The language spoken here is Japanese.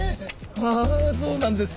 あぁそうなんです。